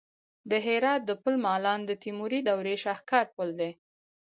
د هرات د پل مالان د تیموري دورې شاهکار پل دی